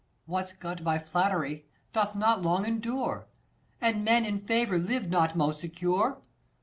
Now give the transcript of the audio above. What's got by flattery, doth not long endure ; And men in favour live not most secure.